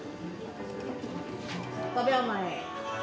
５秒前。